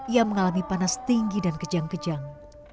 ia mengalami panas tinggi dan kejang kejang